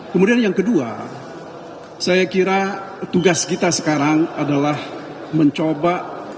kemudian yang kedua saya kira tugas kita sekarang adalah mencoba